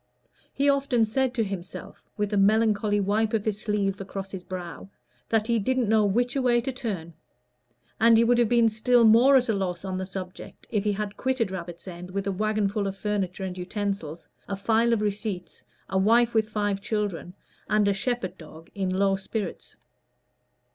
He often said to himself, with a melancholy wipe of his sleeve across his brow, that he "didn't know which a way to turn"; and he would have been still more at a loss on the subject if he had quitted Rabbit's End with a wagonful of furniture and utensils, a file of receipts, a wife with five children, and a shepherd dog in low spirits.